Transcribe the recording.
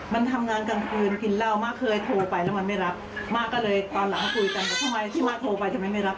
มันทำงานกลางคืนกินเหล้าม่าเคยโทรไปแล้วมันไม่รับม่าก็เลยตอนหลังคุยกันว่าทำไมที่ม่าโทรไปทำไมไม่รับ